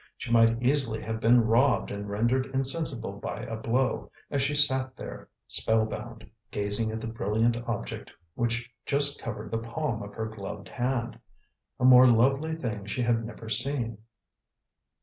She might easily have been robbed and rendered insensible by a blow, as she sat there spell bound, gazing at the brilliant object which just covered the palm of her gloved hand. A more lovely thing she had never seen.